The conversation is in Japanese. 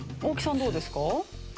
大木さんどうですか？